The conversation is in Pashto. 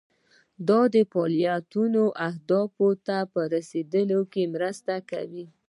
دا فعالیتونه اهدافو ته په رسیدو کې مرسته کوي.